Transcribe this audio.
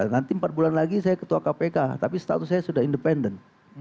nanti empat bulan lagi saya ketua kpk tapi status saya sudah independen